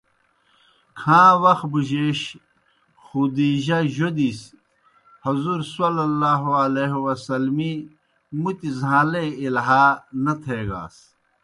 کھاں وخ بُجَیش خدیجہؓ جودِس حضورؐ ایْ مُتیْ زہان٘لے اِلہا نہ تھیگاس۔